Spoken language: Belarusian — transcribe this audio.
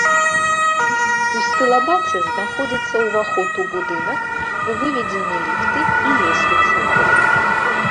У стылабаце знаходзіцца ўваход у будынак, выведзены ліфты і лесвіца.